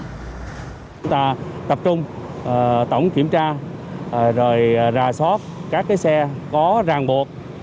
chúng ta tập trung tổng kiểm tra rồi ra soát các xe có ràng buộc